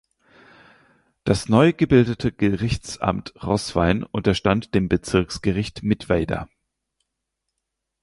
Das neu gebildete Gerichtsamt Roßwein unterstand dem Bezirksgericht Mittweida.